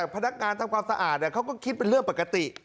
พนักงานทำความสะอาดเขาก็คิดเป็นเรื่องปกติ